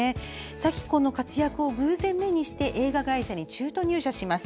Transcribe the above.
咲子の活躍を偶然目にして映画会社に中途入社します。